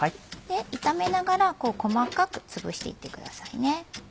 炒めながら細かくつぶしていってくださいね。